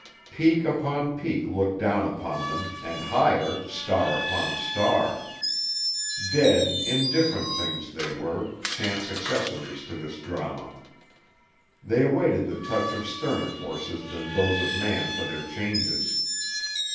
Peak upon peak looked down upon them, and higher, star upon star. Dead, indifferent things they were, chance accessories to this drama. They awaited the touch of sterner forces than those of man for their changes.